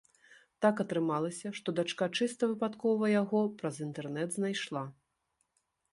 Так атрымалася, што дачка чыста выпадкова яго праз інтэрнэт знайшла.